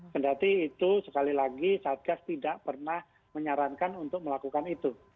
kendati itu sekali lagi satgas tidak pernah menyarankan untuk melakukan itu